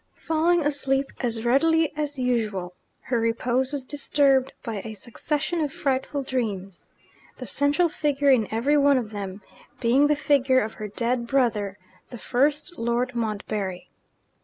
Falling asleep as readily as usual, her repose was disturbed by a succession of frightful dreams; the central figure in every one of them being the figure of her dead brother, the first Lord Montbarry.